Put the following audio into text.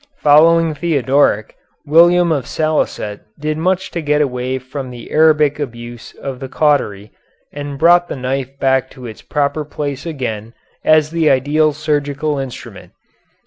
Following Theodoric, William of Salicet did much to get away from the Arabic abuse of the cautery and brought the knife back to its proper place again as the ideal surgical instrument.